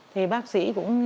thế bác sĩ cũng